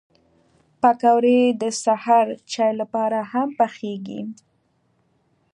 پکورې د سهر چای لپاره هم پخېږي